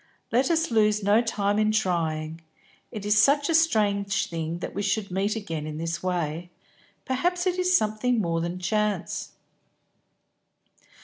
Let us lose no time in trying. It is such a strange thing that we should meet again in this way; perhaps it is something more than chance."